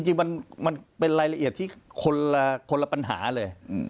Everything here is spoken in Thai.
จริงมันเป็นรายละเอียดที่คนละปัญหาเลย